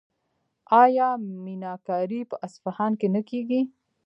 آیا میناکاري په اصفهان کې نه کیږي؟